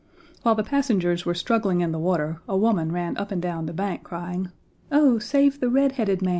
While the passengers were struggling in the water a woman ran up and down the bank crying, "Oh, save the red headed 1.